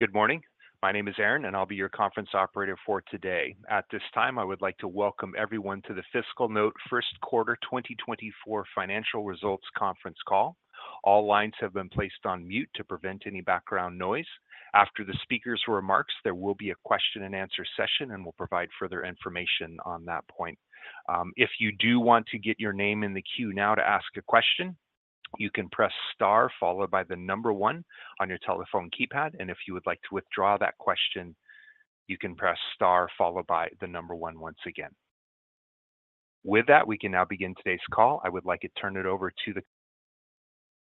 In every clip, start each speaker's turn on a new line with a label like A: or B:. A: Good morning. My name is Aaron, and I'll be your conference operator for today. At this time, I would like to welcome everyone to the FiscalNote first quarter 2024 financial results conference call. All lines have been placed on mute to prevent any background noise. After the speaker's remarks, there will be a question and answer session, and we'll provide further information on that point. If you do want to get your name in the queue now to ask a question, you can press star followed by the number one on your telephone keypad, and if you would like to withdraw that question, you can press star followed by the number one once again. With that, we can now begin today's call. I would like to turn it over to the-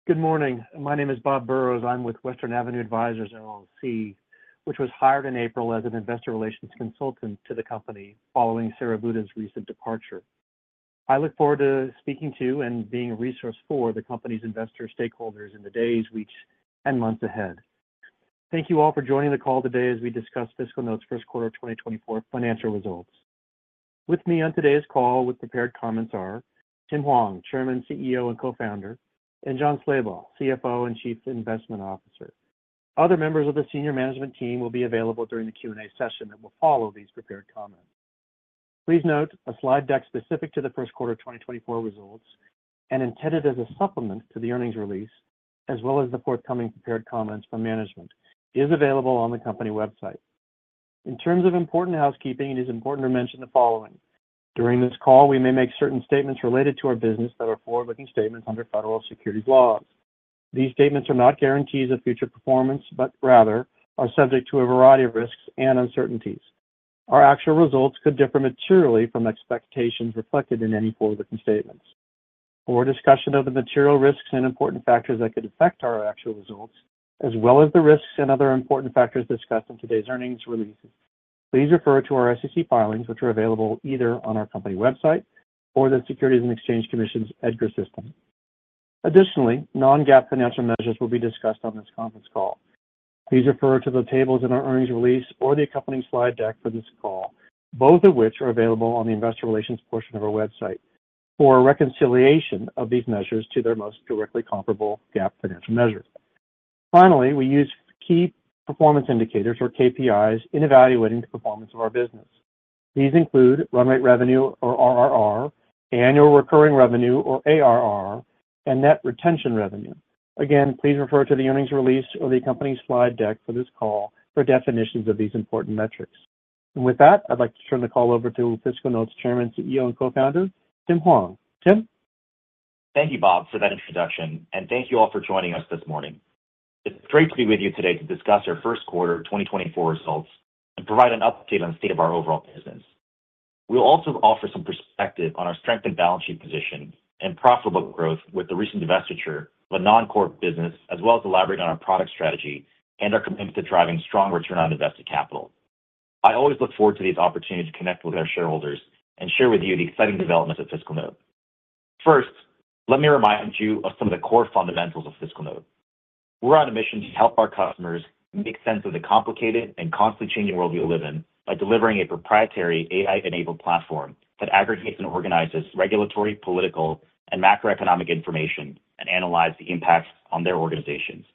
B: Good morning. My name is Bob Burrows. I'm with Western Avenue Advisers, LLC, which was hired in April as an investor relations consultant to the company following Sara Buda's recent departure. I look forward to speaking to and being a resource for the company's investor stakeholders in the days, weeks, and months ahead. Thank you all for joining the call today as we discuss FiscalNote's first quarter 2024 financial results. With me on today's call with prepared comments are Tim Hwang, Chairman, CEO, and Co-founder, and Jon Slabaugh, CFO, and Chief Investment Officer. Other members of the senior management team will be available during the Q&A session that will follow these prepared comments. Please note, a slide deck specific to the first quarter 2024 results and intended as a supplement to the earnings release, as well as the forthcoming prepared comments from management, is available on the company website. In terms of important housekeeping, it is important to mention the following. During this call, we may make certain statements related to our business that are forward-looking statements under federal securities laws. These statements are not guarantees of future performance, but rather are subject to a variety of risks and uncertainties. Our actual results could differ materially from expectations reflected in any forward-looking statements. For discussion of the material risks and important factors that could affect our actual results, as well as the risks and other important factors discussed in today's earnings release, please refer to our SEC filings, which are available either on our company website or the Securities and Exchange Commission's EDGAR system. Additionally, non-GAAP financial measures will be discussed on this conference call. Please refer to the tables in our earnings release or the accompanying slide deck for this call, both of which are available on the investor relations portion of our website for a reconciliation of these measures to their most directly comparable GAAP financial measures. Finally, we use key performance indicators, or KPIs, in evaluating the performance of our business. These include run rate revenue, or RRR, annual recurring revenue, or ARR, and net retention revenue. Again, please refer to the earnings release or the accompanying slide deck for this call for definitions of these important metrics. And with that, I'd like to turn the call over to FiscalNote's Chairman, CEO, and Co-founder, Tim Hwang. Tim?
C: Thank you, Bob, for that introduction, and thank you all for joining us this morning. It's great to be with you today to discuss our first quarter 2024 results and provide an update on the state of our overall business. We'll also offer some perspective on our strength and balance sheet position and profitable growth with the recent divestiture of a non-core business, as well as elaborate on our product strategy and our commitment to driving strong return on invested capital. I always look forward to these opportunities to connect with our shareholders and share with you the exciting developments at FiscalNote. First, let me remind you of some of the core fundamentals of FiscalNote. We're on a mission to help our customers make sense of the complicated and constantly changing world we live in by delivering a proprietary AI-enabled platform that aggregates and organizes regulatory, political, and macroeconomic information and analyze the impacts on their organizations.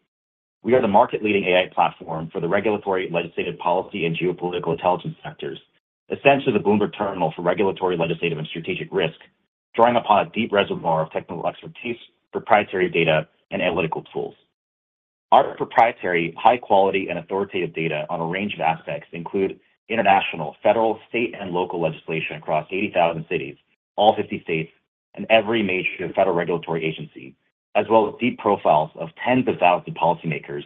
C: We are the market-leading AI platform for the regulatory, legislative, policy, and geopolitical intelligence sectors. Essentially, the Bloomberg Terminal for regulatory, legislative, and strategic risk, drawing upon a deep reservoir of technical expertise, proprietary data, and analytical tools. Our proprietary, high quality, and authoritative data on a range of aspects include international, federal, state, and local legislation across 80,000 cities, all 50 states, and every major federal regulatory agency, as well as deep profiles of tens of thousands of policymakers,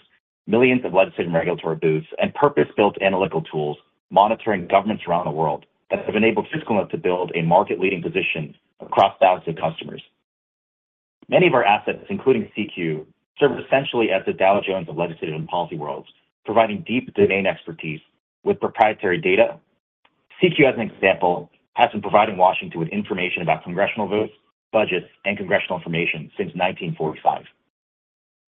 C: millions of legislative and regulatory bills, and purpose-built analytical tools monitoring governments around the world that have enabled FiscalNote to build a market-leading position across thousands of customers. Many of our assets, including CQ, serve essentially as the Dow Jones of legislative and policy worlds, providing deep domain expertise with proprietary data. CQ, as an example, has been providing Washington with information about congressional votes, budgets, and congressional information since 1945.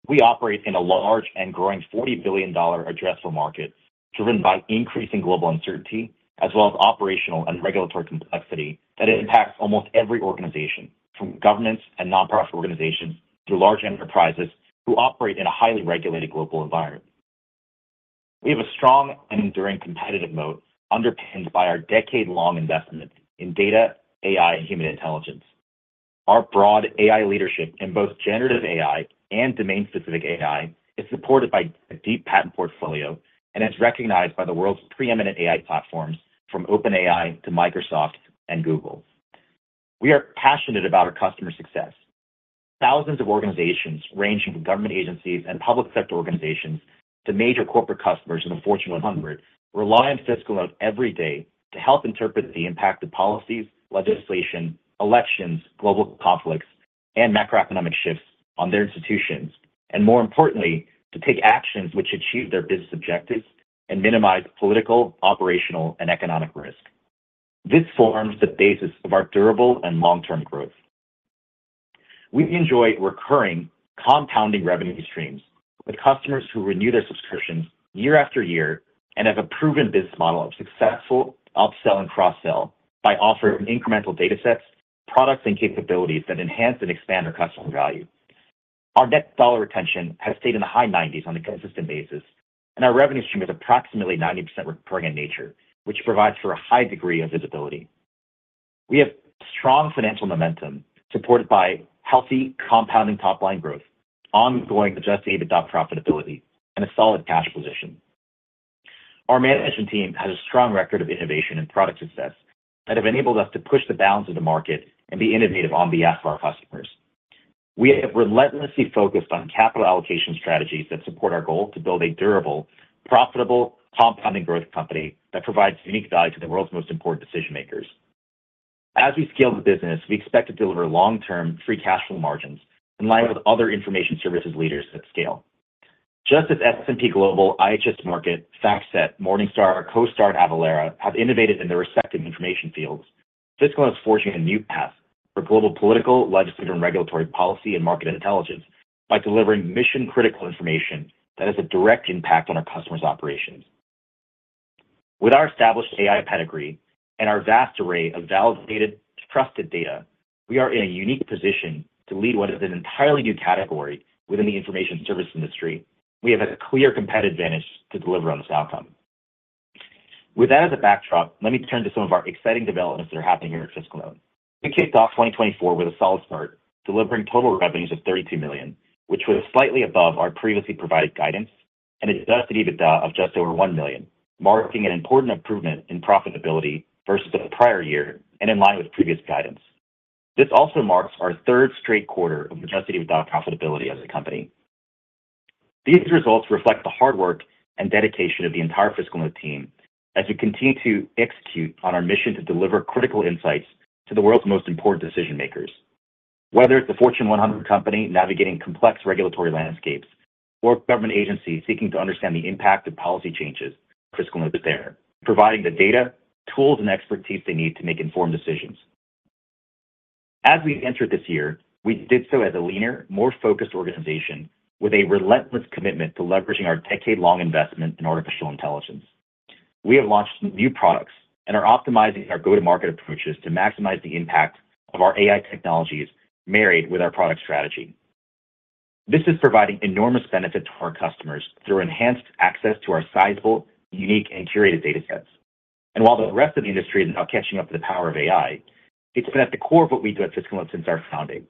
C: We operate in a large and growing $40 billion addressable market, driven by increasing global uncertainty, as well as operational and regulatory complexity that impacts almost every organization, from governments and nonprofit organizations to large enterprises who operate in a highly regulated global environment. We have a strong and enduring competitive mode, underpinned by our decade-long investment in data, AI, and human intelligence. Our broad AI leadership in both generative AI and domain-specific AI is supported by a deep patent portfolio and is recognized by the world's preeminent AI platforms, from OpenAI to Microsoft and Google. We are passionate about our customer success. Thousands of organizations, ranging from government agencies and public sector organizations to major corporate customers in the Fortune 100, rely on FiscalNote every day to help interpret the impact of policies, legislation, elections, global conflicts, and macroeconomic shifts on their institutions, and more importantly, to take actions which achieve their business objectives and minimize political, operational, and economic risk. This forms the basis of our durable and long-term growth. We enjoy recurring, compounding revenue streams with customers who renew their subscriptions year after year and have a proven business model of successful upsell and cross-sell by offering incremental datasets, products, and capabilities that enhance and expand our customer value. Our net dollar retention has stayed in the high 90s on a consistent basis, and our revenue stream is approximately 90% recurring in nature, which provides for a high degree of visibility. We have strong financial momentum supported by healthy compounding top-line growth, ongoing adjusted EBITDA profitability, and a solid cash position. Our management team has a strong record of innovation and product success that have enabled us to push the bounds of the market and be innovative on behalf of our customers. We have relentlessly focused on capital allocation strategies that support our goal to build a durable, profitable, compounding growth company that provides unique value to the world's most important decision makers. As we scale the business, we expect to deliver long-term free cash flow margins in line with other information services leaders at scale. Just as S&P Global, IHS Markit, FactSet, Morningstar, CoStar, and Avalara have innovated in their respective information fields, FiscalNote is forging a new path for global political, legislative, and regulatory policy and market intelligence by delivering mission-critical information that has a direct impact on our customers' operations. With our established AI pedigree and our vast array of validated, trusted data, we are in a unique position to lead what is an entirely new category within the information service industry. We have a clear competitive advantage to deliver on this outcome. With that as a backdrop, let me turn to some of our exciting developments that are happening here at FiscalNote. We kicked off 2024 with a solid start, delivering total revenues of $32 million, which was slightly above our previously provided guidance, and adjusted EBITDA of just over $1 million, marking an important improvement in profitability versus the prior year and in line with previous guidance. This also marks our third straight quarter of adjusted EBITDA profitability as a company. These results reflect the hard work and dedication of the entire FiscalNote team as we continue to execute on our mission to deliver critical insights to the world's most important decision makers. Whether it's a Fortune 100 company navigating complex regulatory landscapes or government agencies seeking to understand the impact of policy changes, FiscalNote is there, providing the data, tools, and expertise they need to make informed decisions. As we entered this year, we did so as a leaner, more focused organization with a relentless commitment to leveraging our decade-long investment in artificial intelligence. We have launched new products and are optimizing our go-to-market approaches to maximize the impact of our AI technologies married with our product strategy. This is providing enormous benefit to our customers through enhanced access to our sizable, unique, and curated datasets. And while the rest of the industry is now catching up to the power of AI, it's been at the core of what we do at FiscalNote since our founding.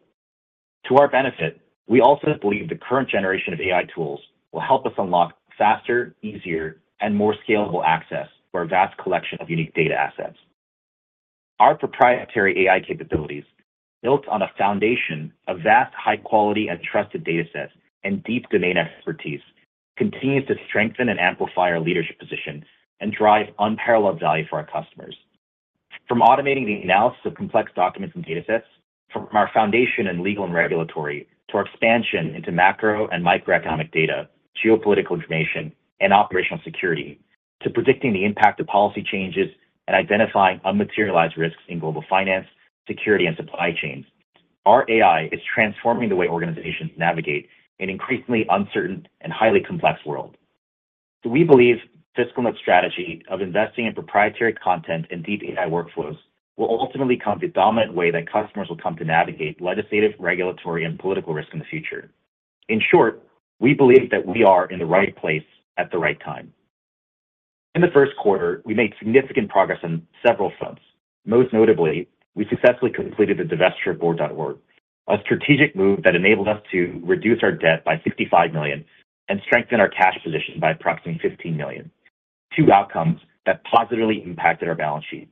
C: To our benefit, we also believe the current generation of AI tools will help us unlock faster, easier, and more scalable access to our vast collection of unique data assets. Our proprietary AI capabilities, built on a foundation of vast, high quality, and trusted datasets and deep domain expertise, continues to strengthen and amplify our leadership position and drive unparalleled value for our customers. From automating the analysis of complex documents and datasets, from our foundation in legal and regulatory, to our expansion into macro and microeconomic data, geopolitical information, and operational security, to predicting the impact of policy changes and identifying unmaterialized risks in global finance, security, and supply chains, our AI is transforming the way organizations navigate an increasingly uncertain and highly complex world. So we believe FiscalNote's strategy of investing in proprietary content and deep AI workflows will ultimately become the dominant way that customers will come to navigate legislative, regulatory, and political risk in the future. In short, we believe that we are in the right place at the right time. In the first quarter, we made significant progress on several fronts. Most notably, we successfully completed the divestiture of Board.org, a strategic move that enabled us to reduce our debt by $65 million and strengthen our cash position by approximately $15 million, two outcomes that positively impacted our balance sheet.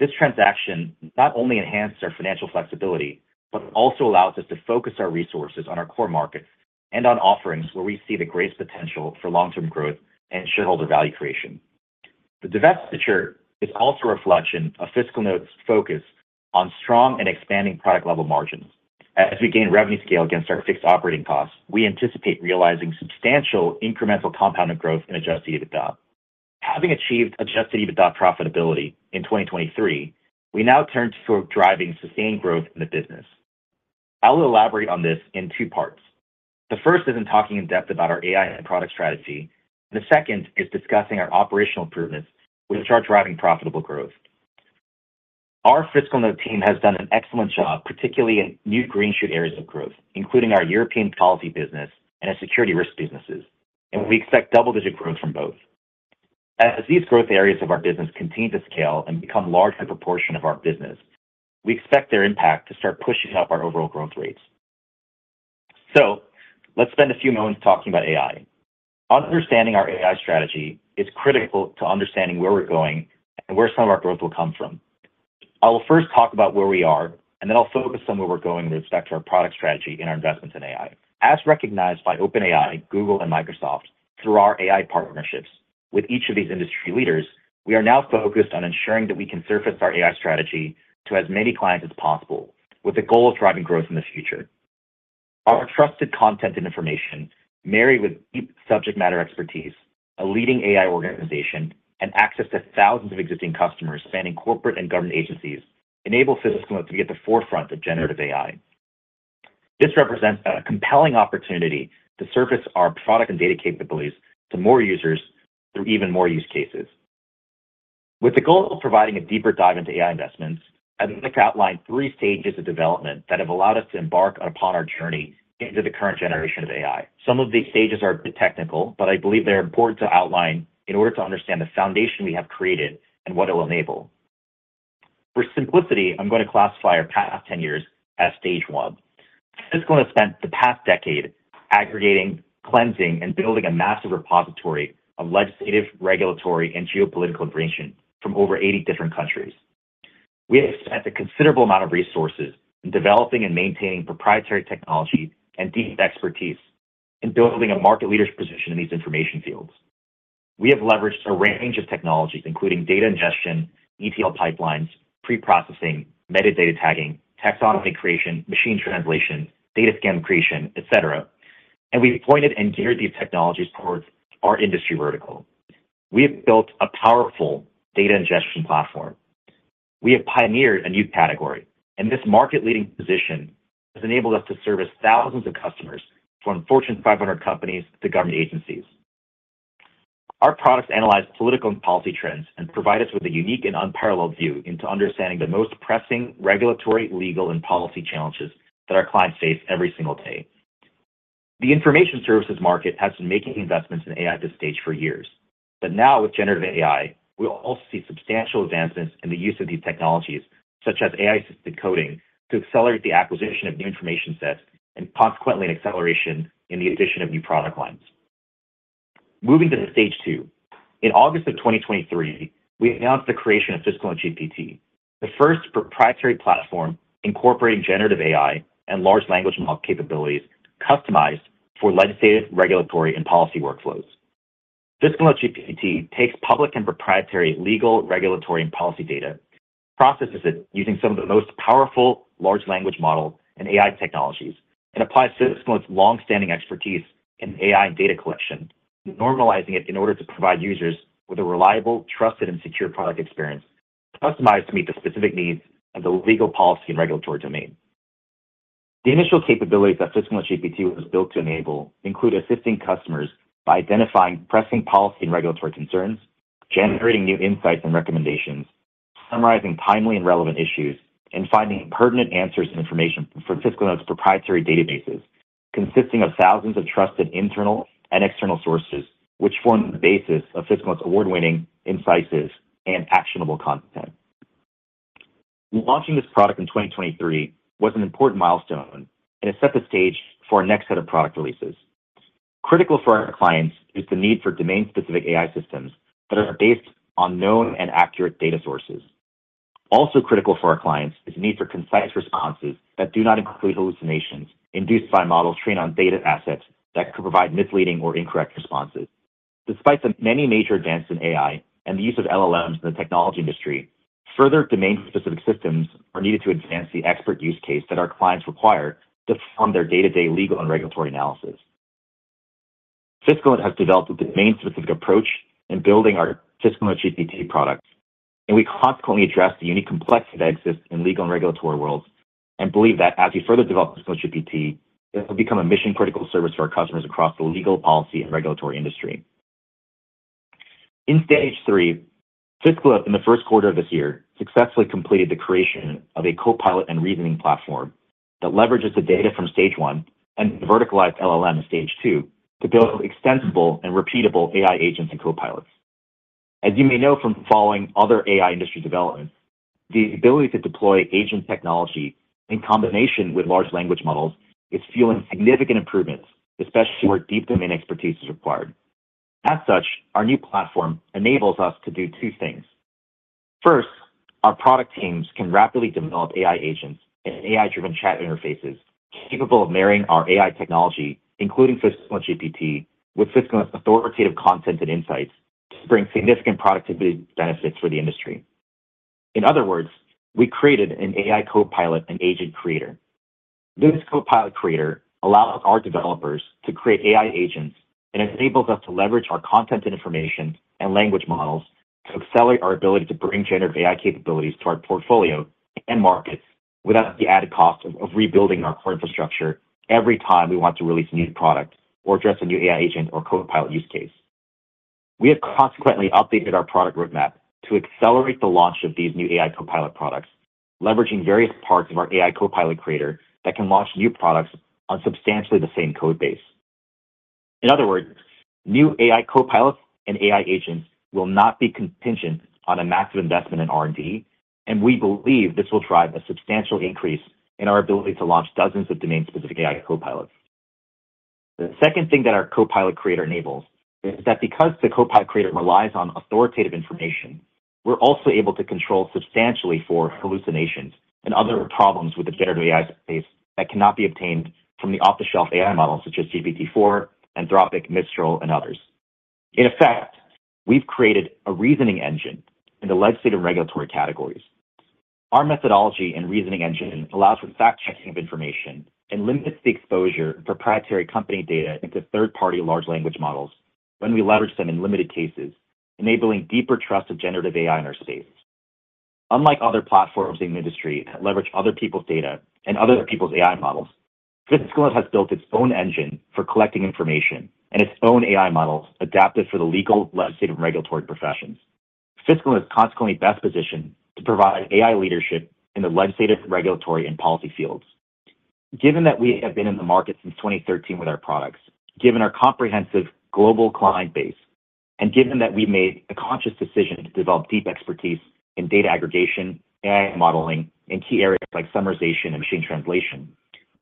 C: This transaction not only enhanced our financial flexibility, but also allows us to focus our resources on our core markets and on offerings where we see the greatest potential for long-term growth and shareholder value creation. The divestiture is also a reflection of FiscalNote's focus on strong and expanding product-level margins. As we gain revenue scale against our fixed operating costs, we anticipate realizing substantial incremental compounded growth in adjusted EBITDA. Having achieved adjusted EBITDA profitability in 2023, we now turn to driving sustained growth in the business. I will elaborate on this in two parts. The first is in talking in depth about our AI and product strategy. The second is discussing our operational improvements, which are driving profitable growth. Our FiscalNote team has done an excellent job, particularly in new green shoot areas of growth, including our European policy business and our security risk businesses, and we expect double-digit growth from both. As these growth areas of our business continue to scale and become a larger proportion of our business, we expect their impact to start pushing up our overall growth rates. So let's spend a few moments talking about AI. Understanding our AI strategy is critical to understanding where we're going and where some of our growth will come from. I will first talk about where we are, and then I'll focus on where we're going with respect to our product strategy and our investments in AI. As recognized by OpenAI, Google, and Microsoft, through our AI partnerships with each of these industry leaders, we are now focused on ensuring that we can surface our AI strategy to as many clients as possible, with the goal of driving growth in the future. Our trusted content and information, married with deep subject matter expertise, a leading AI organization, and access to thousands of existing customers spanning corporate and government agencies, enable FiscalNote to be at the forefront of generative AI. This represents a compelling opportunity to surface our product and data capabilities to more users through even more use cases... With the goal of providing a deeper dive into AI investments, I'd like to outline three stages of development that have allowed us to embark upon our journey into the current generation of AI. Some of these stages are technical, but I believe they are important to outline in order to understand the foundation we have created and what it will enable. For simplicity, I'm going to classify our past 10 years as stage one. FiscalNote spent the past decade aggregating, cleansing, and building a massive repository of legislative, regulatory, and geopolitical information from over 80 different countries. We have spent a considerable amount of resources in developing and maintaining proprietary technology and deep expertise in building a market leader's position in these information fields. We have leveraged a range of technologies, including data ingestion, ETL pipelines, pre-processing, metadata tagging, taxonomy creation, machine translation, data scan creation, et cetera, and we've pointed and geared these technologies towards our industry vertical. We have built a powerful data ingestion platform. We have pioneered a new category, and this market-leading position has enabled us to service thousands of customers, from Fortune 500 companies to government agencies. Our products analyze political and policy trends and provide us with a unique and unparalleled view into understanding the most pressing regulatory, legal, and policy challenges that our clients face every single day. The information services market has been making investments in AI at this stage for years, but now, with generative AI, we'll also see substantial advancements in the use of these technologies, such as AI-assisted coding, to accelerate the acquisition of new information sets and consequently, an acceleration in the addition of new product lines. Moving to the stage two. In August of 2023, we announced the creation of FiscalNoteGPT, the first proprietary platform incorporating generative AI and large language model capabilities customized for legislative, regulatory, and policy workflows. FiscalNoteGPT takes public and proprietary legal, regulatory, and policy data, processes it using some of the most powerful large language model and AI technologies, and applies FiscalNote's long-standing expertise in AI and data collection, normalizing it in order to provide users with a reliable, trusted, and secure product experience, customized to meet the specific needs of the legal, policy, and regulatory domain. The initial capabilities that FiscalNoteGPT was built to enable include assisting customers by identifying pressing policy and regulatory concerns, generating new insights and recommendations, summarizing timely and relevant issues, and finding pertinent answers and information from FiscalNote's proprietary databases, consisting of thousands of trusted internal and external sources, which form the basis of FiscalNote's award-winning insights and actionable content. Launching this product in 2023 was an important milestone, and it set the stage for our next set of product releases. Critical for our clients is the need for domain-specific AI systems that are based on known and accurate data sources. Also critical for our clients is the need for concise responses that do not include hallucinations induced by models trained on data assets that could provide misleading or incorrect responses. Despite the many major advances in AI and the use of LLMs in the technology industry, further domain-specific systems are needed to advance the expert use case that our clients require to fund their day-to-day legal and regulatory analysis. FiscalNote has developed a domain-specific approach in building our FiscalNoteGPT product, and we consequently address the unique complexity that exists in legal and regulatory worlds and believe that as we further develop FiscalNoteGPT, it will become a mission-critical service to our customers across the legal, policy, and regulatory industry. In stage three, FiscalNote, in the first quarter of this year, successfully completed the creation of a copilot and reasoning platform that leverages the data from stage one and verticalized LLM in stage two to build extensible and repeatable AI agents and copilots. As you may know from following other AI industry developments, the ability to deploy agent technology in combination with large language models is fueling significant improvements, especially where deep domain expertise is required. As such, our new platform enables us to do two things. First, our product teams can rapidly develop AI agents and AI-driven chat interfaces capable of marrying our AI technology, including FiscalNoteGPT, with FiscalNote's authoritative content and insights to bring significant productivity benefits for the industry. In other words, we created an AI copilot and agent creator. This copilot creator allows our developers to create AI agents and enables us to leverage our content and information and language models to accelerate our ability to bring generative AI capabilities to our portfolio and markets without the added cost of rebuilding our core infrastructure every time we want to release a new product or address a new AI agent or copilot use case. We have consequently updated our product roadmap to accelerate the launch of these new AI copilot products, leveraging various parts of our AI copilot creator that can launch new products on substantially the same code base. In other words, new AI copilots and AI agents will not be contingent on a massive investment in R&D, and we believe this will drive a substantial increase in our ability to launch dozens of domain-specific AI copilots. The second thing that our copilot creator enables is that because the copilot creator relies on authoritative information, we're also able to control substantially for hallucinations and other problems with the generative AI space that cannot be obtained from the off-the-shelf AI models such as GPT-4, Anthropic, Mistral, and others. In effect, we've created a reasoning engine in the legislative and regulatory categories. Our methodology and reasoning engine allows for fact-checking of information and limits the exposure of proprietary company data into third-party large language models when we leverage them in limited cases, enabling deeper trust of generative AI in our space. Unlike other platforms in the industry that leverage other people's data and other people's AI models, FiscalNote has built its own engine for collecting information and its own AI models adapted for the legal, legislative, and regulatory professions. FiscalNote is consequently best positioned to provide AI leadership in the legislative, regulatory, and policy fields. Given that we have been in the market since 2013 with our products, given our comprehensive global client base, and given that we made a conscious decision to develop deep expertise in data aggregation and AI modeling in key areas like summarization and machine translation,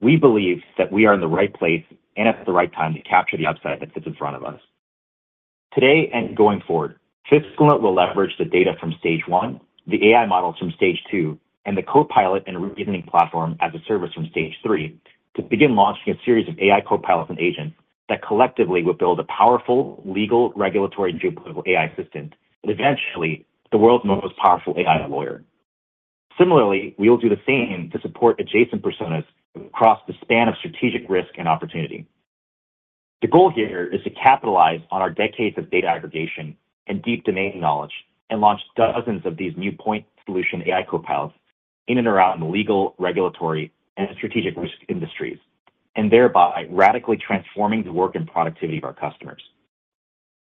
C: we believe that we are in the right place and at the right time to capture the upside that sits in front of us. Today and going forward, FiscalNote will leverage the data from stage one, the AI models from stage two, and the copilot and reasoning platform as a service from stage three to begin launching a series of AI copilots and agents that collectively will build a powerful legal, regulatory, and geopolitical AI assistant, and eventually, the world's most powerful AI lawyer. Similarly, we will do the same to support adjacent personas across the span of strategic risk and opportunity. The goal here is to capitalize on our decades of data aggregation and deep domain knowledge and launch dozens of these new point solution AI copilots in and around the legal, regulatory, and strategic risk industries, and thereby radically transforming the work and productivity of our customers.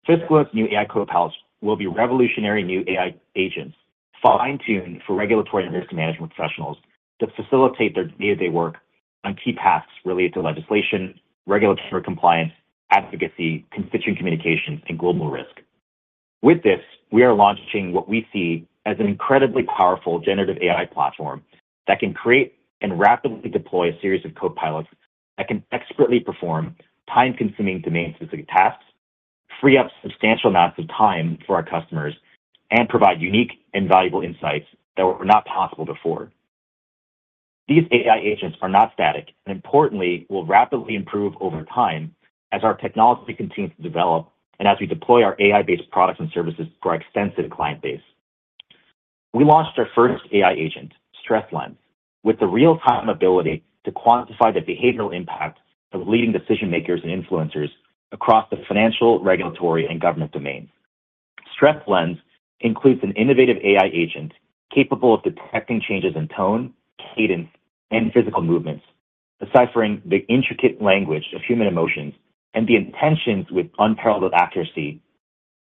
C: FiscalNote's new AI copilots will be revolutionary new AI agents, fine-tuned for regulatory and risk management professionals to facilitate their day-to-day work on key tasks related to legislation, regulatory compliance, advocacy, constituent communications, and global risk. With this, we are launching what we see as an incredibly powerful generative AI platform that can create and rapidly deploy a series of copilots that can expertly perform time-consuming, domain-specific tasks, free up substantial amounts of time for our customers, and provide unique and valuable insights that were not possible before. These AI agents are not static, and importantly, will rapidly improve over time as our technology continues to develop and as we deploy our AI-based products and services to our extensive client base. We launched our first AI agent, StressLens, with the real-time ability to quantify the behavioral impact of leading decision-makers and influencers across the financial, regulatory, and government domains. StressLens includes an innovative AI agent capable of detecting changes in tone, cadence, and physical movements, deciphering the intricate language of human emotions and the intentions with unparalleled accuracy,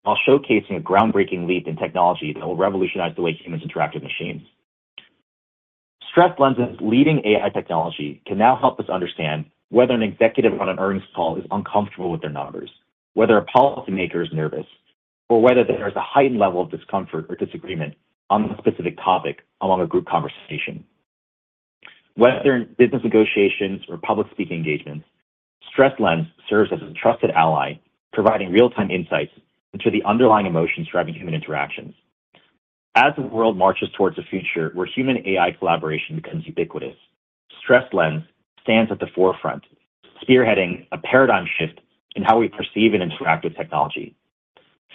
C: while showcasing a groundbreaking leap in technology that will revolutionize the way humans interact with machines. StressLens' leading AI technology can now help us understand whether an executive on an earnings call is uncomfortable with their numbers, whether a policymaker is nervous, or whether there is a heightened level of discomfort or disagreement on a specific topic among a group conversation. Whether in business negotiations or public speaking engagements, StressLens serves as a trusted ally, providing real-time insights into the underlying emotions driving human interactions. As the world marches towards a future where human-AI collaboration becomes ubiquitous, StressLens stands at the forefront, spearheading a paradigm shift in how we perceive and interact with technology.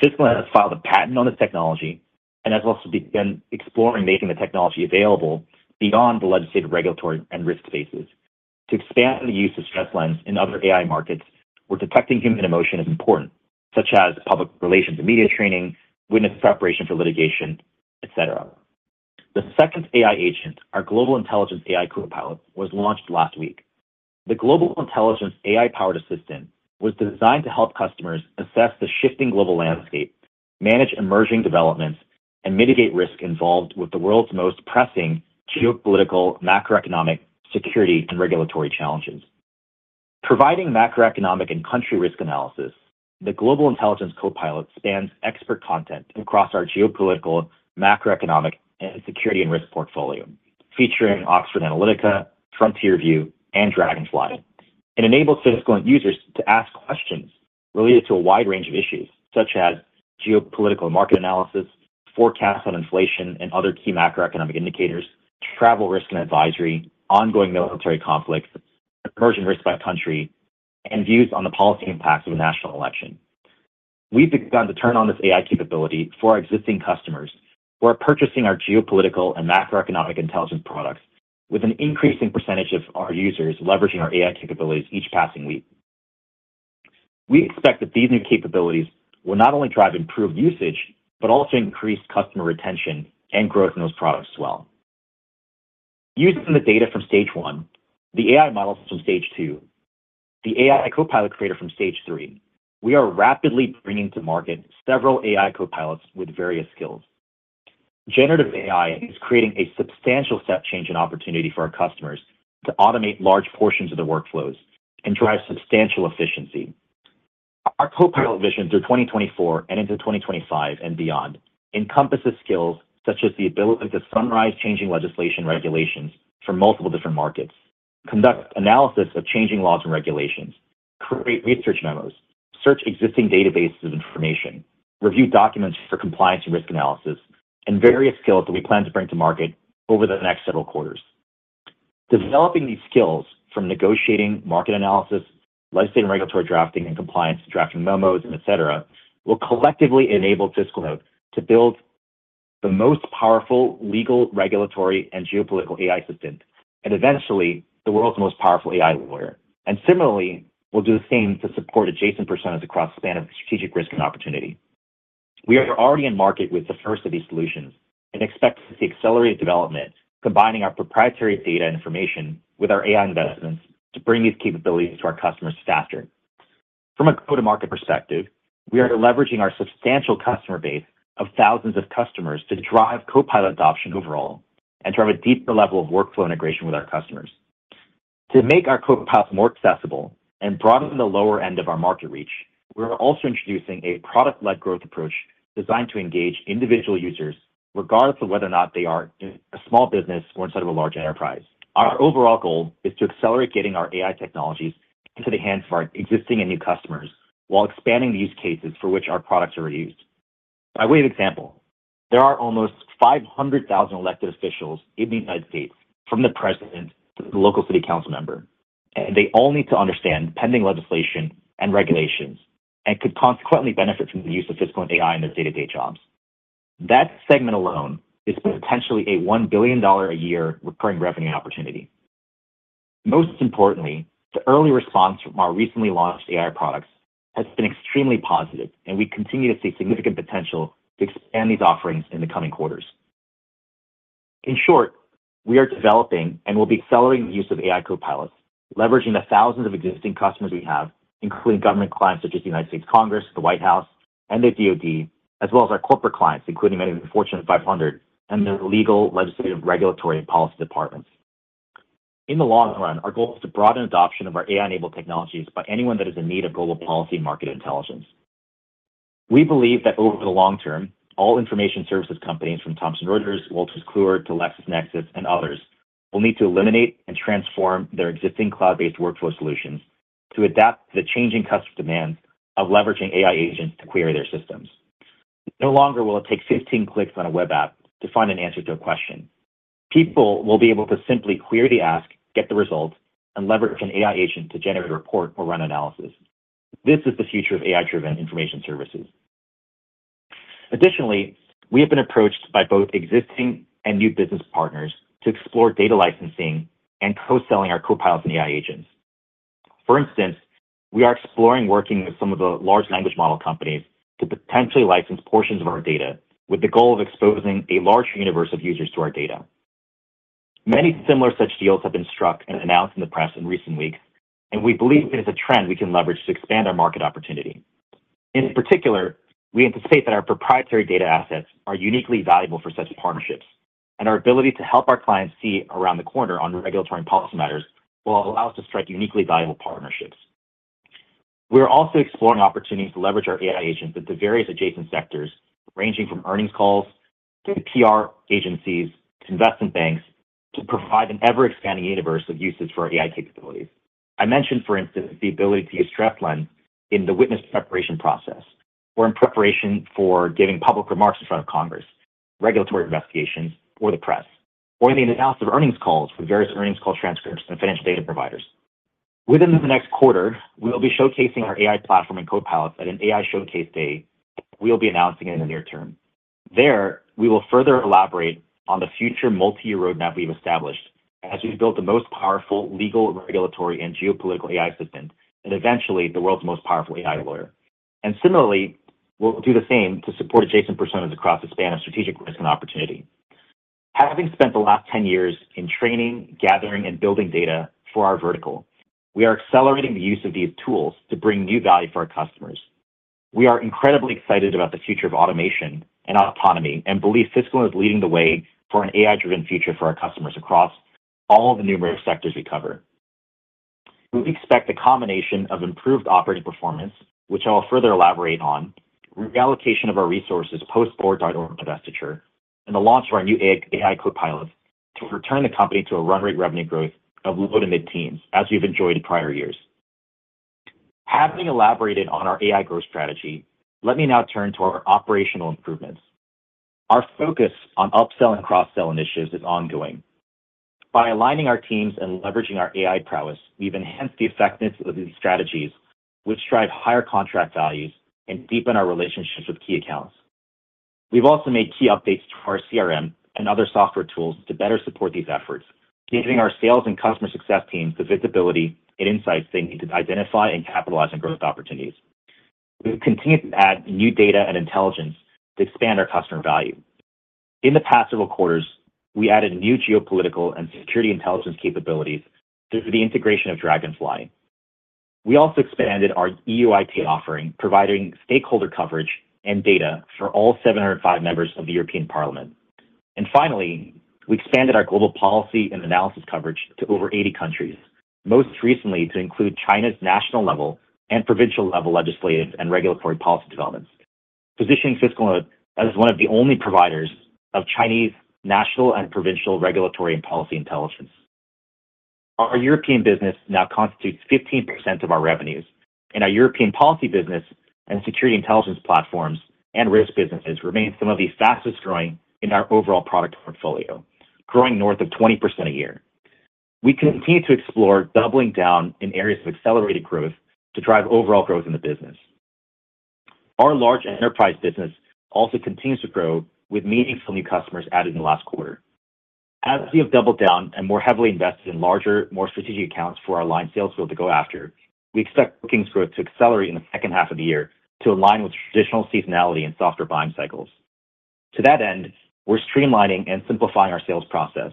C: FiscalNote has filed a patent on this technology and has also begun exploring making the technology available beyond the legislative, regulatory, and risk spaces to expand the use of StressLens in other AI markets where detecting human emotion is important, such as public relations and media training, witness preparation for litigation, et cetera. The second AI agent, our Global Intelligence AI copilot, was launched last week. The Global Intelligence AI-powered assistant was designed to help customers assess the shifting global landscape, manage emerging developments, and mitigate risk involved with the world's most pressing geopolitical, macroeconomic, security, and regulatory challenges. Providing macroeconomic and country risk analysis, the Global Intelligence copilot spans expert content across our geopolitical, macroeconomic, and security and risk portfolio, featuring Oxford Analytica, FrontierView, and Dragonfly. It enables FiscalNote users to ask questions related to a wide range of issues, such as geopolitical market analysis, forecasts on inflation and other key macroeconomic indicators, travel risk and advisory, ongoing military conflicts, immersion risk by country, and views on the policy impacts of a national election. We've begun to turn on this AI capability for our existing customers who are purchasing our geopolitical and macroeconomic intelligence products, with an increasing percentage of our users leveraging our AI capabilities each passing week. We expect that these new capabilities will not only drive improved usage, but also increase customer retention and growth in those products as well. Using the data from stage one, the AI models from stage two, the AI Copilot creator from stage three, we are rapidly bringing to market several AI Copilots with various skills. Generative AI is creating a substantial step change and opportunity for our customers to automate large portions of their workflows and drive substantial efficiency. Our Copilot vision through 2024 and into 2025 and beyond encompasses skills such as the ability to summarize changing legislation regulations for multiple different markets, conduct analysis of changing laws and regulations, create research memos, search existing databases of information, review documents for compliance and risk analysis, and various skills that we plan to bring to market over the next several quarters. Developing these skills from negotiating, market analysis, legislative and regulatory drafting, and compliance, drafting memos, and et cetera, will collectively enable FiscalNote to build the most powerful legal, regulatory, and geopolitical AI assistant... and eventually, the world's most powerful AI lawyer. Similarly, we'll do the same to support adjacent personas across the span of strategic risk and opportunity. We are already in market with the first of these solutions and expect to see accelerated development, combining our proprietary data information with our AI investments to bring these capabilities to our customers faster. From a go-to-market perspective, we are leveraging our substantial customer base of thousands of customers to drive copilot adoption overall and drive a deeper level of workflow integration with our customers. To make our copilots more accessible and broaden the lower end of our market reach, we're also introducing a product-led growth approach designed to engage individual users, regardless of whether or not they are in a small business or inside of a large enterprise. Our overall goal is to accelerate getting our AI technologies into the hands of our existing and new customers, while expanding the use cases for which our products are used. By way of example, there are almost 500,000 elected officials in the United States, from the president to the local city council member, and they all need to understand pending legislation and regulations, and could consequently benefit from the use of FiscalNote and AI in their day-to-day jobs. That segment alone is potentially a $1 billion a year recurring revenue opportunity. Most importantly, the early response from our recently launched AI products has been extremely positive, and we continue to see significant potential to expand these offerings in the coming quarters. In short, we are developing and will be accelerating the use of AI copilots, leveraging the thousands of existing customers we have, including government clients such as the United States Congress, the White House, and the DoD, as well as our corporate clients, including many of the Fortune 500 and their legal, legislative, regulatory, and policy departments. In the long run, our goal is to broaden adoption of our AI-enabled technologies by anyone that is in need of global policy and market intelligence. We believe that over the long term, all information services companies, from Thomson Reuters, Wolters Kluwer, to LexisNexis and others, will need to eliminate and transform their existing cloud-based workflow solutions to adapt to the changing customer demands of leveraging AI agents to query their systems. No longer will it take 15 clicks on a web app to find an answer to a question. People will be able to simply query the ask, get the result, and leverage an AI agent to generate a report or run analysis. This is the future of AI-driven information services. Additionally, we have been approached by both existing and new business partners to explore data licensing and co-selling our copilots and AI agents. For instance, we are exploring working with some of the large language model companies to potentially license portions of our data, with the goal of exposing a larger universe of users to our data. Many similar such deals have been struck and announced in the press in recent weeks, and we believe it is a trend we can leverage to expand our market opportunity. In particular, we anticipate that our proprietary data assets are uniquely valuable for such partnerships, and our ability to help our clients see around the corner on regulatory and policy matters will allow us to strike uniquely valuable partnerships. We are also exploring opportunities to leverage our AI agents into various adjacent sectors, ranging from earnings calls to PR agencies, to investment banks, to provide an ever-expanding universe of uses for our AI capabilities. I mentioned, for instance, the ability to use StressLens in the witness preparation process or in preparation for giving public remarks in front of Congress, regulatory investigations or the press, or in the analysis of earnings calls from various earnings call transcripts and financial data providers. Within the next quarter, we will be showcasing our AI platform and Copilots at an AI showcase day. We will be announcing it in the near term. There, we will further elaborate on the future multi-year roadmap we've established as we build the most powerful legal, regulatory, and geopolitical AI assistant, and eventually the world's most powerful AI lawyer. Similarly, we'll do the same to support adjacent personas across the span of strategic risk and opportunity. Having spent the last 10 years in training, gathering, and building data for our vertical, we are accelerating the use of these tools to bring new value for our customers. We are incredibly excited about the future of automation and autonomy, and believe FiscalNote is leading the way for an AI-driven future for our customers across all the numerous sectors we cover. We expect a combination of improved operating performance, which I'll further elaborate on, reallocation of our resources post-board divestiture, and the launch of our new AI copilots to return the company to a run-rate revenue growth of low to mid-teens, as we've enjoyed in prior years. Having elaborated on our AI growth strategy, let me now turn to our operational improvements. Our focus on upselling and cross-selling initiatives is ongoing. By aligning our teams and leveraging our AI prowess, we've enhanced the effectiveness of these strategies, which drive higher contract values and deepen our relationships with key accounts. We've also made key updates to our CRM and other software tools to better support these efforts, giving our sales and customer success teams the visibility and insights they need to identify and capitalize on growth opportunities. We've continued to add new data and intelligence to expand our customer value. In the past several quarters, we added new geopolitical and security intelligence capabilities through the integration of Dragonfly. We also expanded our EUIT offering, providing stakeholder coverage and data for all 705 members of the European Parliament. Finally, we expanded our global policy and analysis coverage to over 80 countries, most recently to include China's national level and provincial level legislative and regulatory policy developments, positioning FiscalNote as one of the only providers of Chinese national and provincial regulatory and policy intelligence. Our European business now constitutes 15% of our revenues, and our European policy business and security intelligence platforms and risk businesses remain some of the fastest-growing in our overall product portfolio, growing north of 20% a year. We continue to explore doubling down in areas of accelerated growth to drive overall growth in the business. Our large enterprise business also continues to grow, with meaningful new customers added in the last quarter. As we have doubled down and more heavily invested in larger, more strategic accounts for our line sales field to go after, we expect bookings growth to accelerate in the second half of the year to align with traditional seasonality and softer buying cycles. To that end, we're streamlining and simplifying our sales process,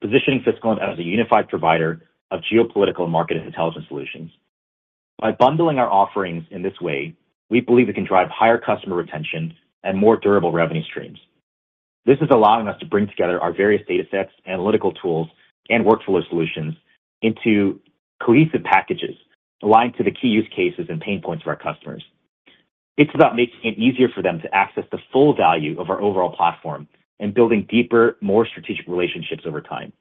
C: positioning FiscalNote as a unified provider of geopolitical and market intelligence solutions. By bundling our offerings in this way, we believe we can drive higher customer retention and more durable revenue streams. This is allowing us to bring together our various data sets, analytical tools, and workflow solutions into cohesive packages aligned to the key use cases and pain points of our customers. It's about making it easier for them to access the full value of our overall platform and building deeper, more strategic relationships over time.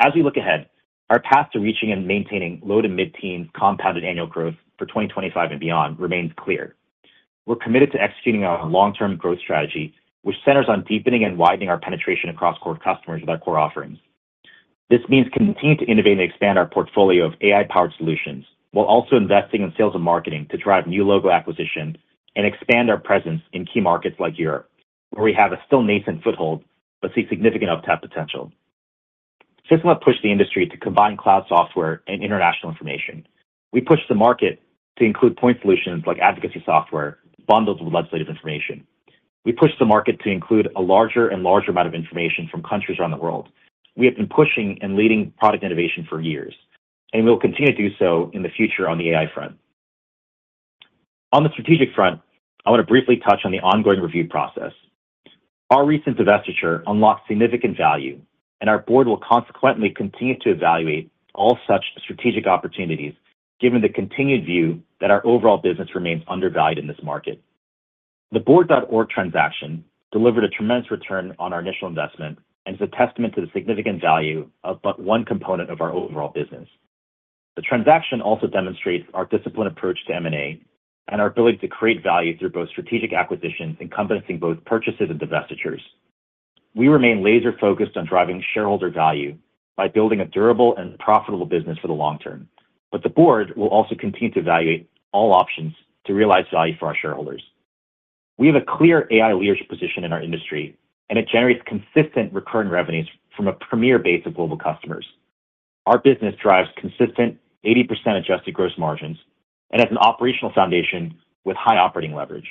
C: As we look ahead, our path to reaching and maintaining low- to mid-teen compounded annual growth for 2025 and beyond remains clear. We're committed to executing on our long-term growth strategy, which centers on deepening and widening our penetration across core customers with our core offerings. This means continuing to innovate and expand our portfolio of AI-powered solutions, while also investing in sales and marketing to drive new logo acquisition and expand our presence in key markets like Europe, where we have a still nascent foothold, but see significant uptake potential. FiscalNote pushed the industry to combine cloud software and international information. We pushed the market to include point solutions like advocacy software, bundles with legislative information. We pushed the market to include a larger and larger amount of information from countries around the world. We have been pushing and leading product innovation for years, and we will continue to do so in the future on the AI front. On the strategic front, I want to briefly touch on the ongoing review process. Our recent divestiture unlocks significant value, and our board will consequently continue to evaluate all such strategic opportunities, given the continued view that our overall business remains undervalued in this market. The Board.org transaction delivered a tremendous return on our initial investment and is a testament to the significant value of but one component of our overall business. The transaction also demonstrates our disciplined approach to M&A and our ability to create value through both strategic acquisitions, encompassing both purchases and divestitures. We remain laser-focused on driving shareholder value by building a durable and profitable business for the long term, but the board will also continue to evaluate all options to realize value for our shareholders. We have a clear AI leadership position in our industry, and it generates consistent recurring revenues from a premier base of global customers. Our business drives consistent 80% adjusted gross margins and has an operational foundation with high operating leverage.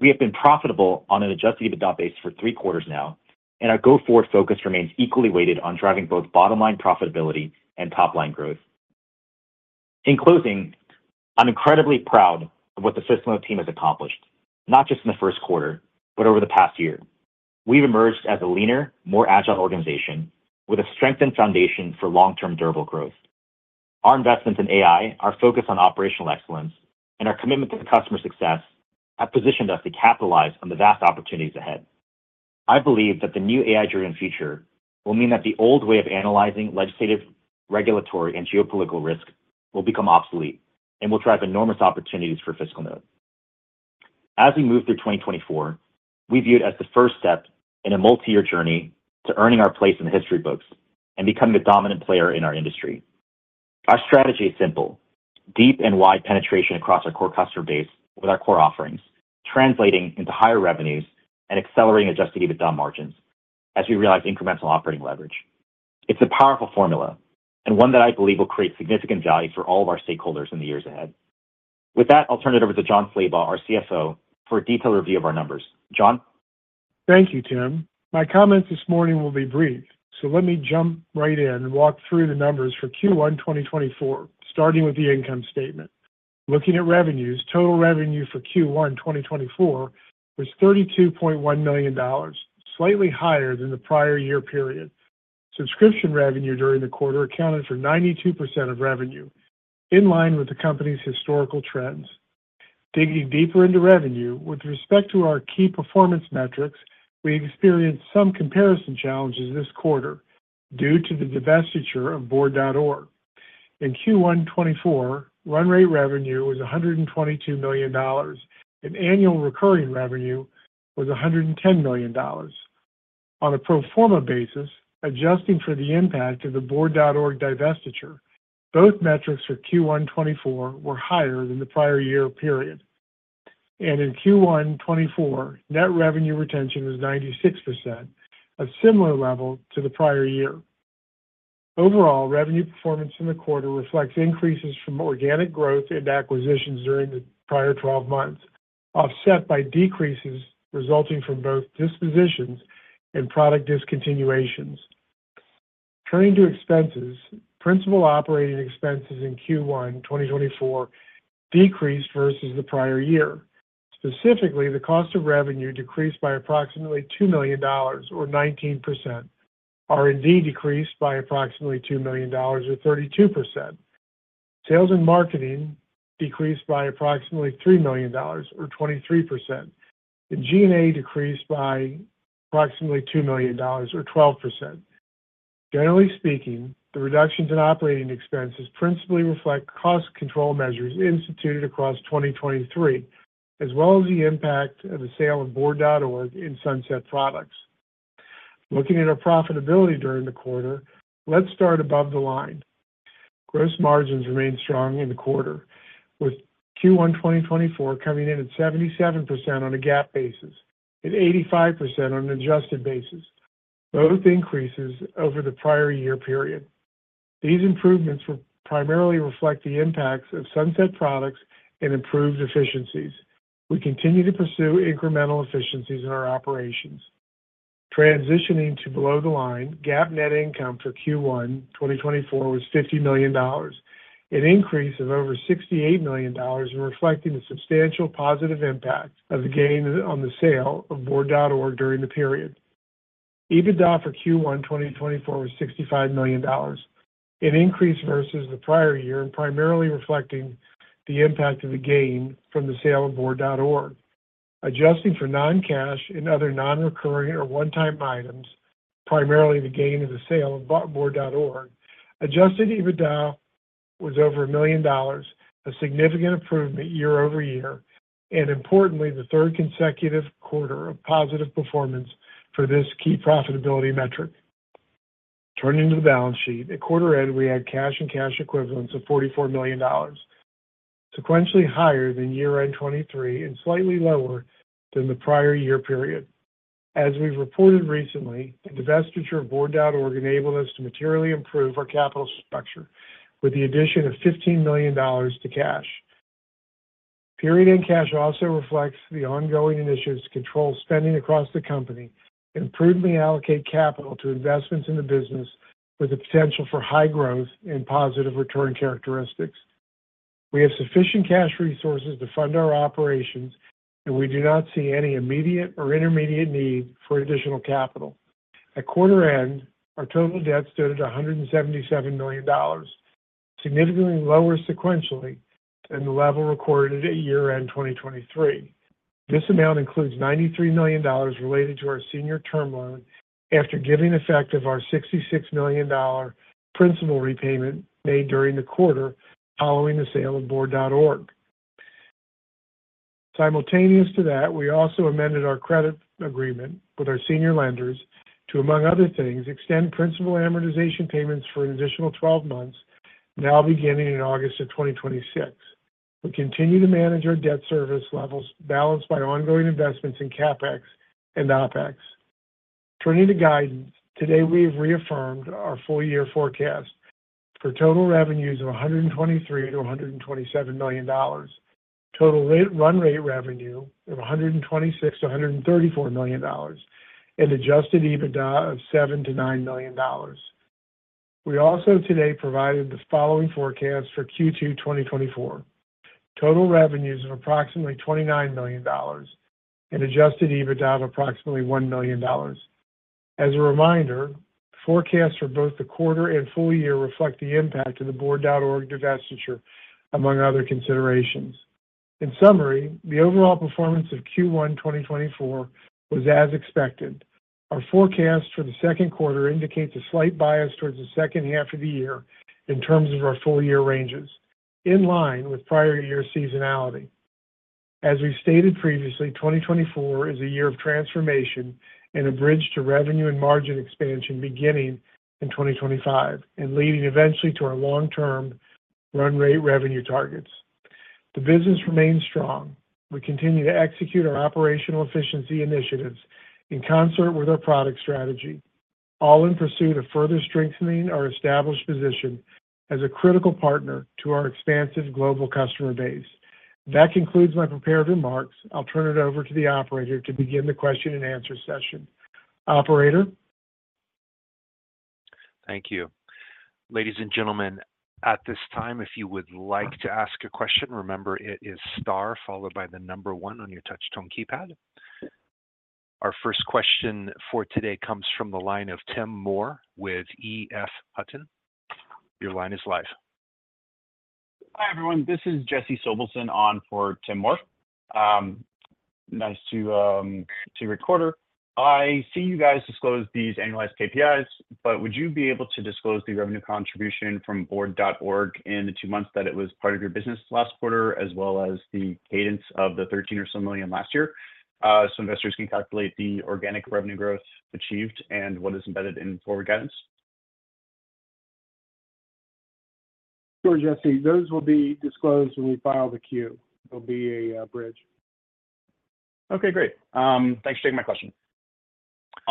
C: We have been profitable on an adjusted EBITDA base for three quarters now, and our go-forward focus remains equally weighted on driving both bottom-line profitability and top-line growth. In closing, I'm incredibly proud of what the FiscalNote team has accomplished, not just in the first quarter, but over the past year. We've emerged as a leaner, more agile organization with a strengthened foundation for long-term, durable growth. Our investments in AI, our focus on operational excellence, and our commitment to customer success have positioned us to capitalize on the vast opportunities ahead. I believe that the new AI-driven future will mean that the old way of analyzing legislative, regulatory, and geopolitical risk will become obsolete and will drive enormous opportunities for FiscalNote. As we move through 2024, we view it as the first step in a multi-year journey to earning our place in the history books and becoming a dominant player in our industry. Our strategy is simple: deep and wide penetration across our core customer base with our core offerings, translating into higher revenues and accelerating adjusted EBITDA margins as we realize incremental operating leverage. It's a powerful formula and one that I believe will create significant value for all of our stakeholders in the years ahead. With that, I'll turn it over to Jon Slabaugh, our CFO, for a detailed review of our numbers. Jon?
D: Thank you, Tim. My comments this morning will be brief, so let me jump right in and walk through the numbers for Q1 2024, starting with the income statement. Looking at revenues, total revenue for Q1 2024 was $32.1 million, slightly higher than the prior year period. Subscription revenue during the quarter accounted for 92% of revenue, in line with the company's historical trends. Digging deeper into revenue, with respect to our key performance metrics, we experienced some comparison challenges this quarter due to the divestiture of Board.org. In Q1 2024, run rate revenue was $122 million, and annual recurring revenue was $110 million. On a pro forma basis, adjusting for the impact of the Board.org divestiture, both metrics for Q1 2024 were higher than the prior year period, and in Q1 2024, net revenue retention was 96%, a similar level to the prior year. Overall, revenue performance in the quarter reflects increases from organic growth and acquisitions during the prior 12 months, offset by decreases resulting from both dispositions and product discontinuations. Turning to expenses, principal operating expenses in Q1 2024 decreased versus the prior year. Specifically, the cost of revenue decreased by approximately $2 million or 19%. R&D decreased by approximately $2 million, or 32%. Sales and marketing decreased by approximately $3 million, or 23%, and G&A decreased by approximately $2 million, or 12%. Generally speaking, the reductions in operating expenses principally reflect cost control measures instituted across 2023, as well as the impact of the sale of Board.org in sunset products. Looking at our profitability during the quarter, let's start above the line. Gross margins remained strong in the quarter, with Q1 2024 coming in at 77% on a GAAP basis and 85% on an adjusted basis, both increases over the prior year period. These improvements will primarily reflect the impacts of sunset products and improved efficiencies. We continue to pursue incremental efficiencies in our operations. Transitioning to below the line, GAAP net income for Q1 2024 was $50 million, an increase of over $68 million, reflecting the substantial positive impact of the gain on the sale of Board.org during the period. EBITDA for Q1 2024 was $65 million, an increase versus the prior year, and primarily reflecting the impact of the gain from the sale of Board.org. Adjusting for non-cash and other non-recurring or one-time items, primarily the gain of the sale of Board.org, adjusted EBITDA was over $1 million, a significant improvement year-over-year, and importantly, the third consecutive quarter of positive performance for this key profitability metric. Turning to the balance sheet, at quarter end, we had cash and cash equivalents of $44 million, sequentially higher than year-end 2023 and slightly lower than the prior year period. As we've reported recently, the divestiture of Board.org enabled us to materially improve our capital structure with the addition of $15 million to cash. Period-end-cash also reflects the ongoing initiatives to control spending across the company and prudently allocate capital to investments in the business with the potential for high growth and positive return characteristics. We have sufficient cash resources to fund our operations, and we do not see any immediate or intermediate need for additional capital. At quarter end, our total debt stood at $177 million, significantly lower sequentially than the level recorded at year-end 2023. This amount includes $93 million related to our senior term loan after giving effect of our $66 million principal repayment made during the quarter following the sale of Board.org. Simultaneous to that, we also amended our credit agreement with our senior lenders to, among other things, extend principal amortization payments for an additional 12 months, now beginning in August of 2026. We continue to manage our debt service levels balanced by ongoing investments in CapEx and OpEx. Turning to guidance, today, we have reaffirmed our full year forecast for total revenues of $123 million-$127 million, total run rate revenue of $126 million-$134 million, and adjusted EBITDA of $7 million-$9 million. We also today provided the following forecasts for Q2 2024: total revenues of approximately $29 million and adjusted EBITDA of approximately $1 million. As a reminder, forecasts for both the quarter and full year reflect the impact of the Board.org divestiture, among other considerations. In summary, the overall performance of Q1 2024 was as expected. Our forecast for the second quarter indicates a slight bias towards the second half of the year in terms of our full-year ranges, in line with prior year seasonality. As we've stated previously, 2024 is a year of transformation and a bridge to revenue and margin expansion beginning in 2025 and leading eventually to our long-term run rate revenue targets. The business remains strong. We continue to execute our operational efficiency initiatives in concert with our product strategy, all in pursuit of further strengthening our established position as a critical partner to our expansive global customer base. That concludes my prepared remarks. I'll turn it over to the operator to begin the question and answer session. Operator?
A: Thank you. Ladies and gentlemen, at this time, if you would like to ask a question, remember, it is star followed by the number one on your touch tone keypad. Our first question for today comes from the line of Tim Moore with EF Hutton. Your line is live.
E: Hi, everyone. This is Jesse Sobelson on for Tim Moore. Nice to be here. I see you guys disclose these annualized KPIs, but would you be able to disclose the revenue contribution from Board.org in the two months that it was part of your business last quarter, as well as the cadence of the $13 million or so last year, so investors can calculate the organic revenue growth achieved and what is embedded in forward guidance?
D: Sure, Jesse, those will be disclosed when we file the Q. There'll be a bridge.
E: Okay, great. Thanks for taking my question.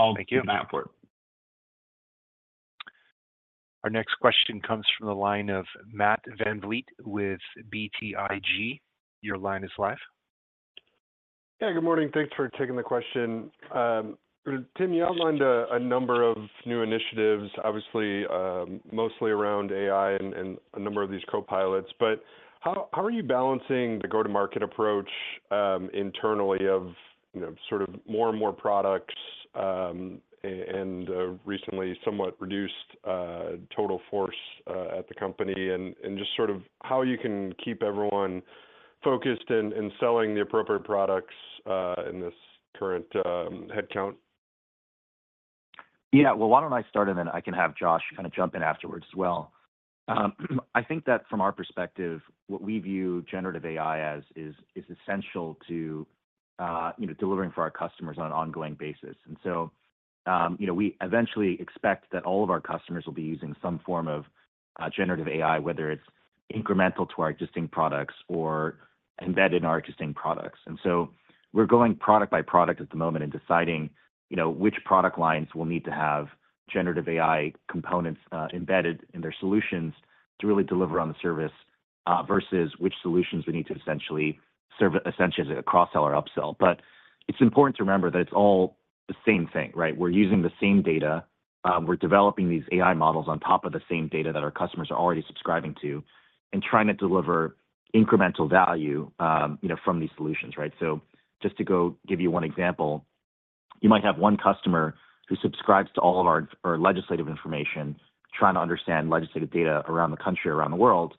A: Our next question comes from the line of Matt VanVliet with BTIG. Your line is live.
F: Yeah, good morning. Thanks for taking the question. Tim, you outlined a number of new initiatives, obviously, mostly around AI and a number of these copilots, but how are you balancing the go-to-market approach, internally of, you know, sort of more and more products, and recently somewhat reduced total force at the company, and just sort of how you can keep everyone focused and selling the appropriate products in this current headcount?
C: Yeah. Well, why don't I start, and then I can have Josh kind of jump in afterwards as well?... I think that from our perspective, what we view generative AI as is essential to, you know, delivering for our customers on an ongoing basis. And so, you know, we eventually expect that all of our customers will be using some form of generative AI, whether it's incremental to our existing products or embedded in our existing products. And so we're going product by product at the moment and deciding, you know, which product lines will need to have generative AI components embedded in their solutions to really deliver on the service versus which solutions we need to essentially serve as a cross-sell or upsell. But it's important to remember that it's all the same thing, right? We're using the same data. We're developing these AI models on top of the same data that our customers are already subscribing to and trying to deliver incremental value, you know, from these solutions, right? So just to go give you one example, you might have one customer who subscribes to all of our our legislative information, trying to understand legislative data around the country, around the world.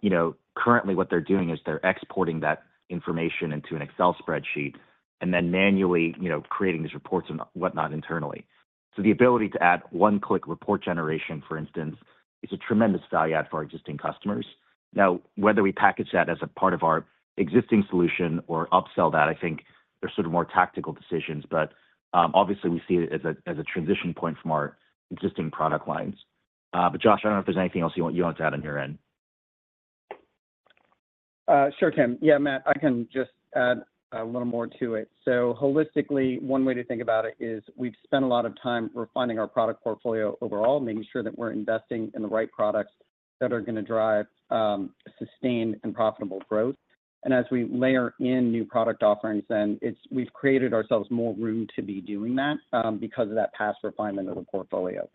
C: You know, currently what they're doing is they're exporting that information into an Excel spreadsheet and then manually, you know, creating these reports and whatnot internally. So the ability to add one-click report generation, for instance, is a tremendous value add for our existing customers. Now, whether we package that as a part of our existing solution or upsell that, I think they're sort of more tactical decisions, but, obviously we see it as a, as a transition point from our existing product lines. But Josh, I don't know if there's anything else you want, you want to add on your end.
G: Sure, Tim. Yeah, Matt, I can just add a little more to it. So holistically, one way to think about it is we've spent a lot of time refining our product portfolio overall, making sure that we're investing in the right products that are going to drive sustained and profitable growth. And as we layer in new product offerings, then it's we've created ourselves more room to be doing that because of that past refinement of the portfolio.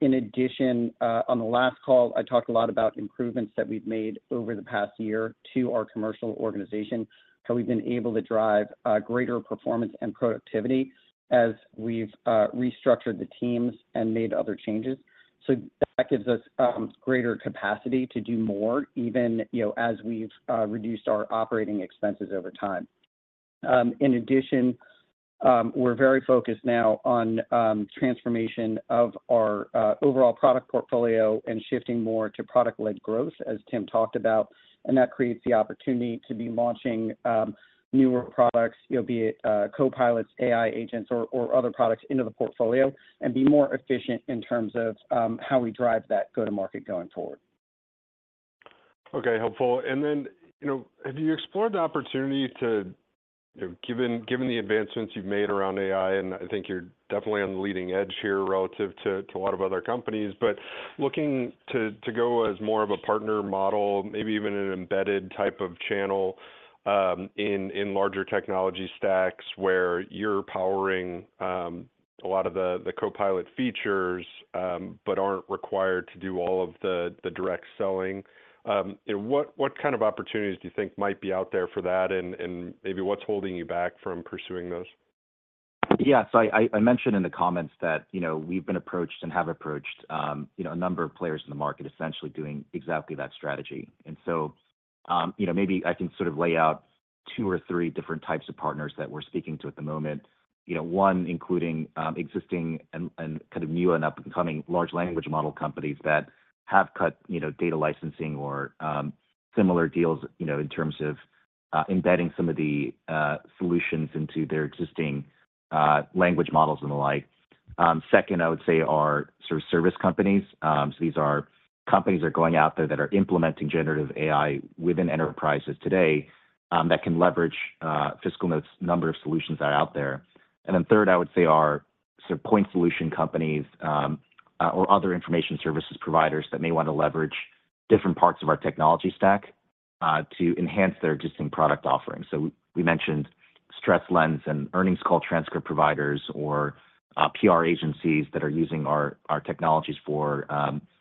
G: In addition, on the last call, I talked a lot about improvements that we've made over the past year to our commercial organization, how we've been able to drive greater performance and productivity as we've restructured the teams and made other changes. So that gives us greater capacity to do more, even, you know, as we've reduced our operating expenses over time. In addition, we're very focused now on transformation of our overall product portfolio and shifting more to product-led growth, as Tim talked about, and that creates the opportunity to be launching newer products, be it copilots, AI agents, or other products into the portfolio and be more efficient in terms of how we drive that go-to-market going forward.
F: Okay, helpful. And then, you know, have you explored the opportunity to, you know, given the advancements you've made around AI, and I think you're definitely on the leading edge here relative to a lot of other companies, but looking to go as more of a partner model, maybe even an embedded type of channel, in larger technology stacks where you're powering a lot of the copilot features, but aren't required to do all of the direct selling. What kind of opportunities do you think might be out there for that? And maybe what's holding you back from pursuing those?
C: Yeah, so I mentioned in the comments that, you know, we've been approached and have approached, you know, a number of players in the market, essentially doing exactly that strategy. And so, you know, maybe I can sort of lay out two or three different types of partners that we're speaking to at the moment. You know, one, including existing and kind of new and up-and-coming large language model companies that have cut, you know, data licensing or similar deals, you know, in terms of embedding some of the solutions into their existing language models and the like. Second, I would say are sort of service companies. So these are companies that are going out there that are implementing generative AI within enterprises today that can leverage FiscalNote's number of solutions that are out there. And then third, I would say are sort of point solution companies, or other information services providers that may want to leverage different parts of our technology stack, to enhance their existing product offerings. So we mentioned StressLens and earnings call transcript providers or PR agencies that are using our technologies for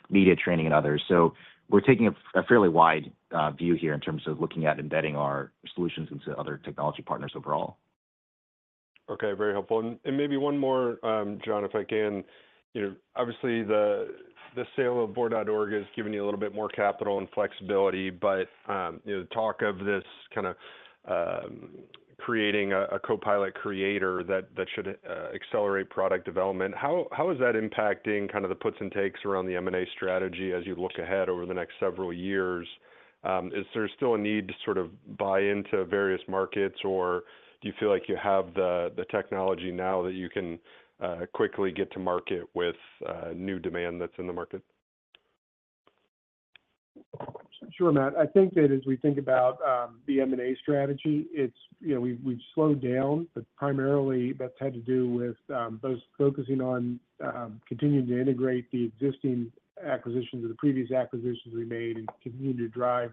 C: media training and others. So we're taking a fairly wide view here in terms of looking at embedding our solutions into other technology partners overall.
F: Okay. Very helpful. Maybe one more, John, if I can. You know, obviously, the sale of Board.org has given you a little bit more capital and flexibility, but, you know, talk of this kind of creating a copilot creator that should accelerate product development. How is that impacting kind of the puts and takes around the M&A strategy as you look ahead over the next several years? Is there still a need to sort of buy into various markets, or do you feel like you have the technology now that you can quickly get to market with new demand that's in the market?
D: Sure, Matt. I think that as we think about the M&A strategy, it's, you know, we've, we've slowed down, but primarily that's had to do with both focusing on continuing to integrate the existing acquisitions or the previous acquisitions we made and continuing to drive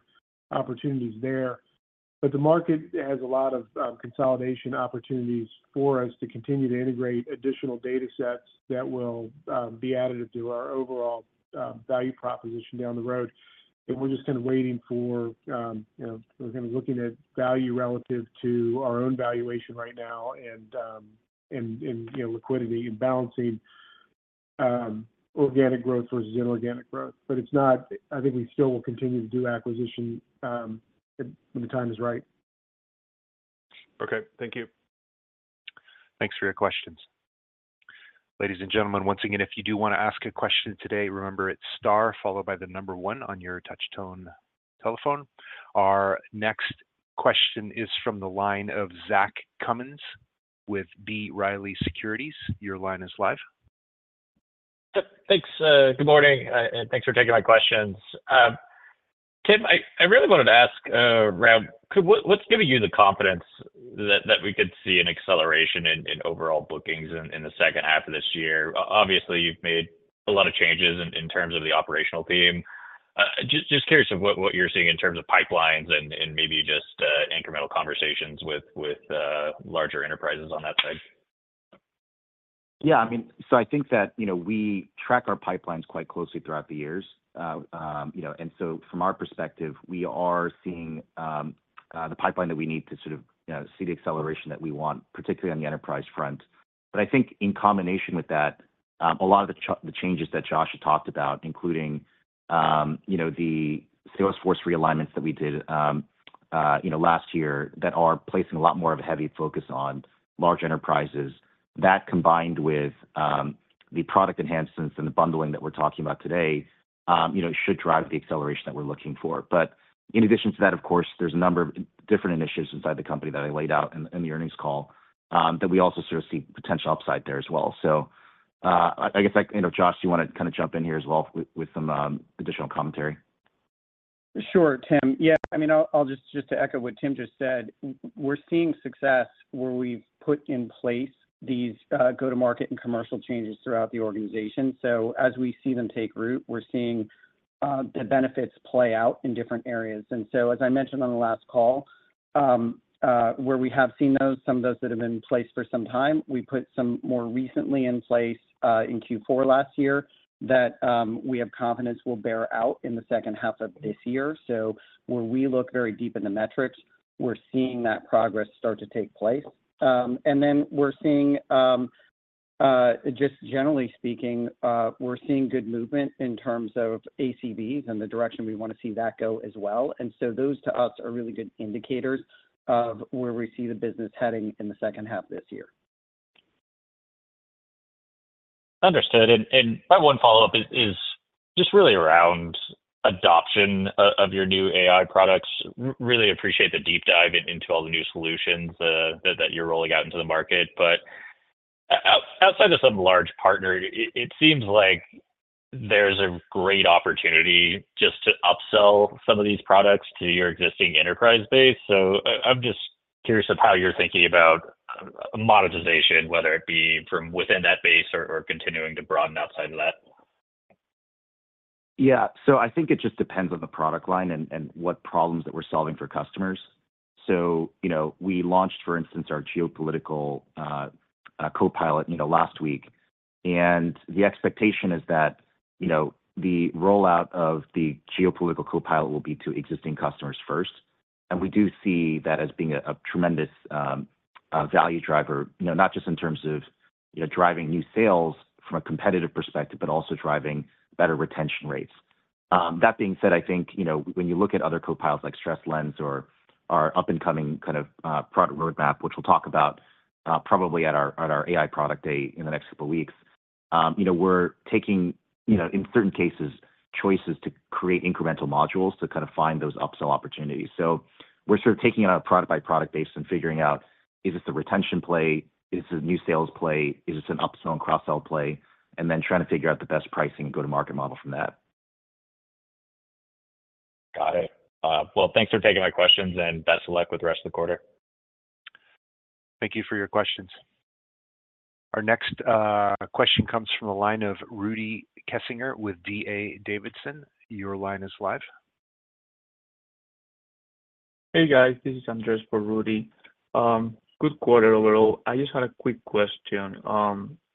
D: opportunities there. But the market has a lot of consolidation opportunities for us to continue to integrate additional datasets that will be additive to our overall value proposition down the road. And we're just kind of waiting for, you know, we're kind of looking at value relative to our own valuation right now and, and, and, you know, liquidity and balancing organic growth versus inorganic growth. But it's not-- I think we still will continue to do acquisition when the time is right....
F: Okay, thank you.
A: Thanks for your questions. Ladies and gentlemen, once again, if you do want to ask a question today, remember, it's star followed by the number one on your touchtone telephone. Our next question is from the line of Zach Cummins with B. Riley Securities. Your line is live.
H: Thanks. Good morning, and thanks for taking my questions. Tim, I really wanted to ask around, what, what's giving you the confidence that we could see an acceleration in overall bookings in the second half of this year? Obviously, you've made a lot of changes in terms of the operational team. Just curious of what you're seeing in terms of pipelines and maybe just incremental conversations with larger enterprises on that side.
C: Yeah, I mean, so I think that, you know, we track our pipelines quite closely throughout the years. And so from our perspective, we are seeing the pipeline that we need to sort of, you know, see the acceleration that we want, particularly on the enterprise front. But I think in combination with that, a lot of the ch-- the changes that Josh talked about, including, you know, the sales force realignments that we did, last year, that are placing a lot more of a heavy focus on large enterprises. That combined with the product enhancements and the bundling that we're talking about today, you know, should drive the acceleration that we're looking for. But in addition to that, of course, there's a number of different initiatives inside the company that I laid out in the earnings call, that we also sort of see potential upside there as well. So, I guess, I, you know, Josh, you wanna kind of jump in here as well with some additional commentary?
G: Sure, Tim. Yeah. I mean, I'll just to echo what Tim just said, we're seeing success where we've put in place these go-to-market and commercial changes throughout the organization. So as we see them take root, we're seeing the benefits play out in different areas. And so, as I mentioned on the last call, where we have seen those, some of those that have been in place for some time, we put some more recently in place in Q4 last year, that we have confidence will bear out in the second half of this year. So when we look very deep in the metrics, we're seeing that progress start to take place. And then we're seeing just generally speaking, we're seeing good movement in terms of ACVs and the direction we want to see that go as well. And so those, to us, are really good indicators of where we see the business heading in the second half this year.
H: Understood. My one follow-up is just really around adoption of your new AI products. Really appreciate the deep dive into all the new solutions that you're rolling out into the market. But outside of some large partner, it seems like there's a great opportunity just to upsell some of these products to your existing enterprise base. So I'm just curious of how you're thinking about monetization, whether it be from within that base or continuing to broaden outside of that.
C: Yeah. So I think it just depends on the product line and, and what problems that we're solving for customers. So, you know, we launched, for instance, our geopolitical Copilot, you know, last week, and the expectation is that, you know, the rollout of the geopolitical Copilot will be to existing customers first. And we do see that as being a tremendous value driver, you know, not just in terms of, you know, driving new sales from a competitive perspective, but also driving better retention rates. That being said, I think, you know, when you look at other copilots like StressLens or our up-and-coming kind of product roadmap, which we'll talk about, probably at our AI product day in the next couple weeks, you know, we're taking, you know, in certain cases, choices to create incremental modules to kind of find those upsell opportunities. So we're sort of taking it on a product-by-product basis and figuring out, is this a retention play? Is this a new sales play? Is this an upsell and cross-sell play? And then trying to figure out the best pricing and go-to-market model from that.
H: Got it. Well, thanks for taking my questions, and best of luck with the rest of the quarter.
A: Thank you for your questions. Our next question comes from a line of Rudy Kessinger with D.A. Davidson. Your line is live.
I: Hey, guys, this is Andres for Rudy. Good quarter overall. I just had a quick question.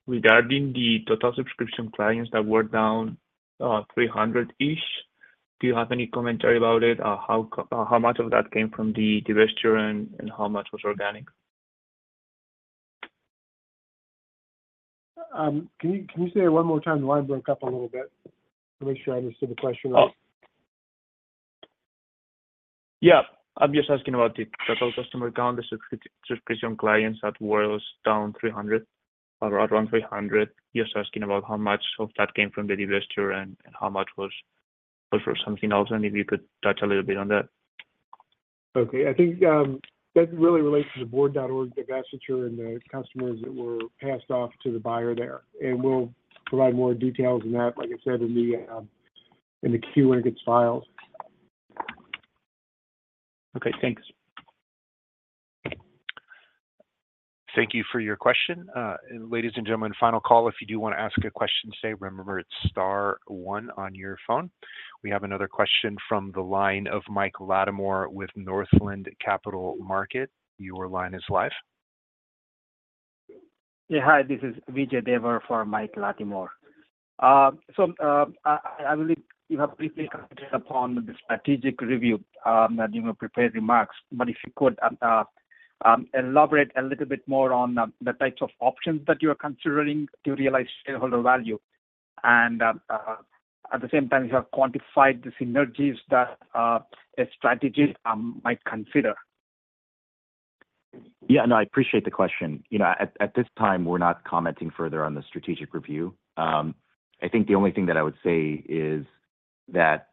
I: Regarding the total subscription clients that were down 300-ish, do you have any commentary about it? How much of that came from the divestiture and how much was organic?
D: Can you, can you say it one more time? The line broke up a little bit. To make sure I understood the question right.
I: Oh. Yeah, I'm just asking about the total customer count, the subscription clients that was down 300, or around 300. Just asking about how much of that came from the divestiture and how much was for something else, and if you could touch a little bit on that.
D: Okay. I think, that really relates to the Board.org divestiture and the customers that were passed off to the buyer there. And we'll provide more details on that, like I said, in the, in the Q when it gets filed.
I: Okay, thanks.
A: Thank you for your question. Ladies and gentlemen, final call. If you do want to ask a question today, remember, it's star one on your phone. We have another question from the line of Mike Latimore with Northland Capital Markets. Your line is live.
J: Yeah, hi, this is Vijay Devar for Mike Latimore. So, I believe you have briefly commented upon the strategic review in your prepared remarks, but if you could elaborate a little bit more on the types of options that you are considering to realize shareholder value? And at the same time, you have quantified the synergies that a strategy might consider?
C: Yeah, no, I appreciate the question. You know, at, at this time, we're not commenting further on the strategic review. I think the only thing that I would say is that,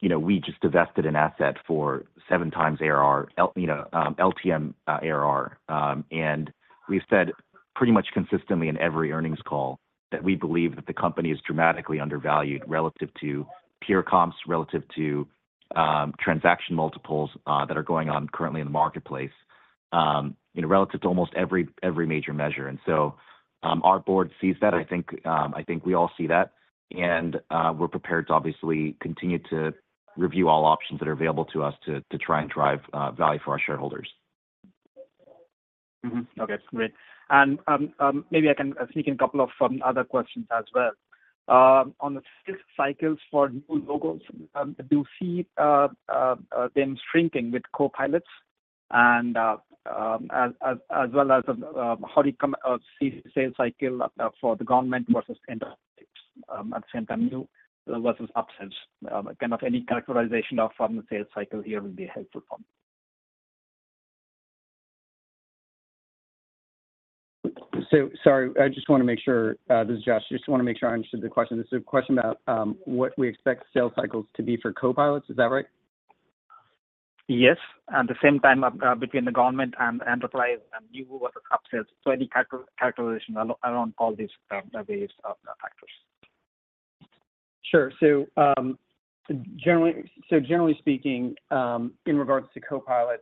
C: you know, we just divested an asset for 7 times ARR, you know, LTM ARR. And we've said pretty much consistently in every earnings call that we believe that the company is dramatically undervalued relative to peer comps, relative to, transaction multiples, that are going on currently in the marketplace, you know, relative to almost every, every major measure. And so, our board sees that. I think, I think we all see that, and, we're prepared to obviously continue to review all options that are available to us to, to try and drive, value for our shareholders.
J: Mm-hmm. Okay, great. And, maybe I can sneak in a couple of other questions as well. On the sales cycles for new logos, do you see them shrinking with copilots and as well as how do you see the sales cycle for the government versus enterprise, at the same time, new versus upsells? Kind of any characterization of the sales cycle here will be helpful for me.
G: So, sorry, I just wanna make sure, this is Josh. Just wanna make sure I understood the question. This is a question about what we expect sales cycles to be for copilots. Is that right?
J: Yes, at the same time, between the government and enterprise and new versus upsells. So any characterization around all these various factors.
G: Sure. So, generally, so generally speaking, in regards to copilots,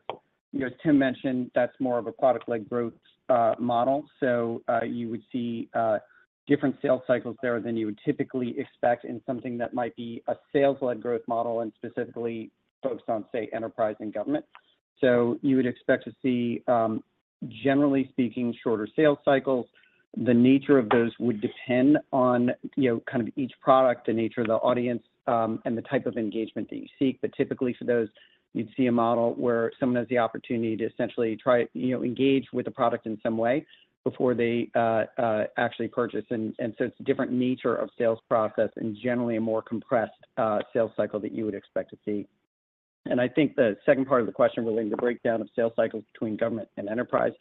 G: you know, as Tim mentioned, that's more of a product-led growth, model. So, you would see, different sales cycles there than you would typically expect in something that might be a sales-led growth model and specifically focused on, say, enterprise and government. So you would expect to see, generally speaking, shorter sales cycles. The nature of those would depend on, you know, kind of each product, the nature of the audience, and the type of engagement that you seek. But typically for those, you'd see a model where someone has the opportunity to essentially try, you know, engage with the product in some way before they, actually purchase. So it's a different nature of sales process and generally a more compressed sales cycle that you would expect to see. I think the second part of the question relating to breakdown of sales cycles between government and enterprise,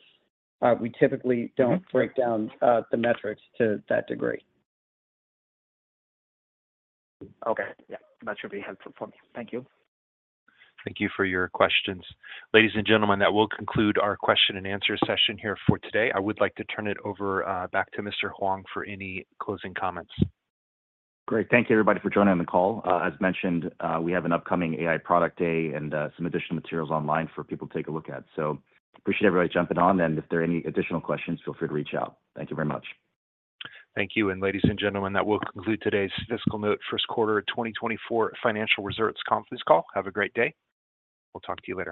G: we typically don't break down the metrics to that degree.
J: Okay. Yeah, that should be helpful for me. Thank you.
A: Thank you for your questions. Ladies and gentlemen, that will conclude our question and answer session here for today. I would like to turn it over back to Mr. Hwang for any closing comments.
C: Great. Thank you, everybody, for joining on the call. As mentioned, we have an upcoming AI product day and, some additional materials online for people to take a look at. So appreciate everybody jumping on, and if there are any additional questions, feel free to reach out. Thank you very much.
A: Thank you. Ladies and gentlemen, that will conclude today's FiscalNote first quarter 2024 financial results conference call. Have a great day. We'll talk to you later.